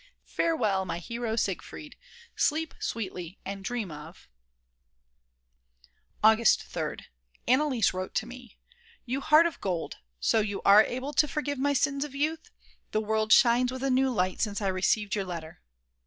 Farewell, my Hero Siegfried, sleep sweetly and dream of . August 3rd, Anneliese wrote to me: "You heart of gold, so you are able to forgive my sins of youth? The world shines with a new light since I received your letter."